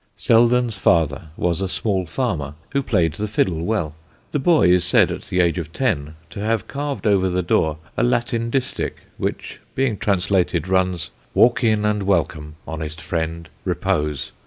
Selden's father was a small farmer who played the fiddle well. The boy is said at the age of ten to have carved over the door a Latin distich, which, being translated, runs: Walk in and welcome, honest friend; repose.